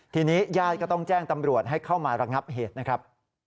ทีนี้ญาติก็ต้องแจ้งตำรวจให้เข้ามาระงับเหตุนะครับ